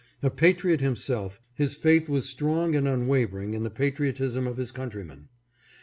A patriot him self, his faith was strong and unwavering in the patriot ism of his countrymen.